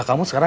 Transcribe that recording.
gak usah paham